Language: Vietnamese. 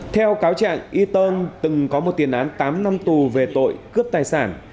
theo cáo trạng etern từng có một tiền án tám năm tù về tội cướp tài sản